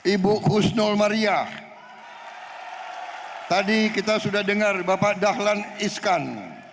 ibu husnul maria tadi kita sudah dengar bapak dahlan iskan